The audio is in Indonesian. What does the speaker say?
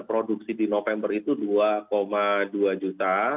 produksi di november itu dua dua juta